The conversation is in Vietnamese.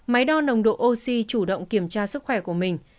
máy đo nồng độ oxy chủ động kiểm tra sức khỏe của mình